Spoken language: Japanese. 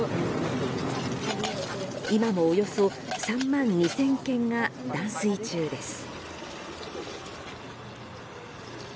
今も、およそ３万２０００軒が断水中です。